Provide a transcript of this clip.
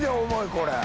これ。